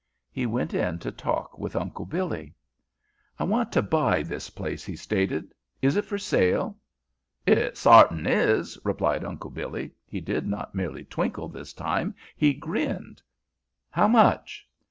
He went in to talk with Uncle Billy. "I want to buy this place," he stated. "Is it for sale?" "It sartin is!" replied Uncle Billy. He did not merely twinkle this time. He grinned. "How much?"